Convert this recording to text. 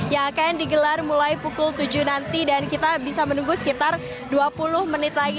yang akan digelar mulai pukul tujuh nanti dan kita bisa menunggu sekitar dua puluh menit lagi